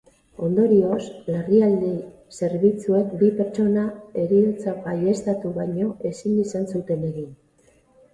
Ondorioz, larrialdi zerbitzuek bi pertsonen heriotza baieztatu baino ezin izan zuten egin.